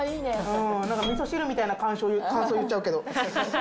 なんか味噌汁みたいな感想言っちゃうけど。